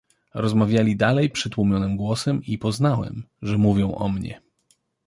"Rozmawiali dalej przytłumionym głosem i poznałem, że mówią o mnie."